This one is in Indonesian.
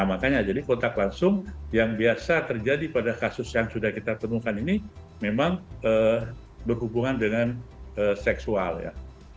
makanya jadi kontak langsung yang biasa terjadi pada kasus yang sudah kita temukan ini memang berhubungan dengan seksual ya